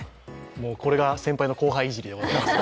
もうこれが先輩の後輩いじりです。